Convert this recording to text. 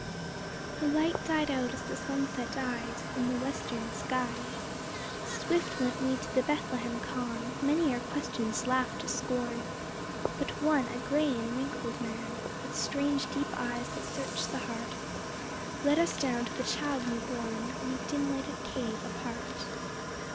The light died out as the sunset dies In the western skies; Swift went we to the Bethlehem khan, Many our questions laughed to scorn, But one, a gray and wrinkled man, With strange, deep eyes that searched the heart, Led us down to the child new born In a dim lighted cave apart.